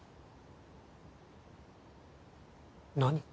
何？